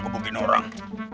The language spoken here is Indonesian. gagal dibagiin orang